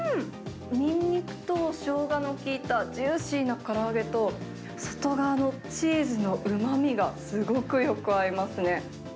にんにくとしょうがの効いたジューシーなから揚げと、外側のチーズのうまみがすごくよく合いますね。